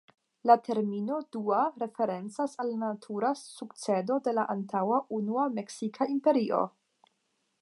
La termino «dua» referencas al la natura sukcedo de la antaŭa Unua Meksika Imperio.